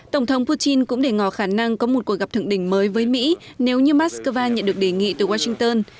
tổng thống putin cũng để ngò khả năng có một cuộc gặp thượng đỉnh mới với mỹ nếu như moscow nhận được đề nghị từ washington